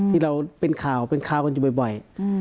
ที่เราเป็นข่าวเป็นข่าวกันอยู่บ่อย